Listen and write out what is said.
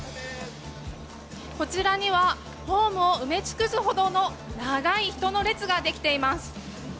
こちらには、ホームを埋め尽くすほどの長い人の列が出来ています。